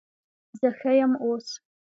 زه ښه یم اوس